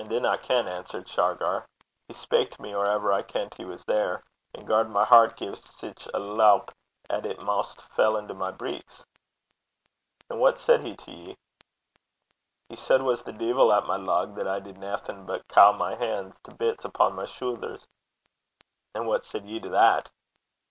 'I dinna ken,' answered Shargar. 'He spak to me or ever I kent he was there, and garred my hert gie sic a loup 'at it maist fell into my breeks.' 'And what said he to ye?' 'He said was the deevil at my lug, that I did naething but caw my han's to bits upo' my shoothers.' 'And what said ye to that?'